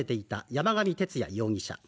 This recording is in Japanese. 山上徹也容疑者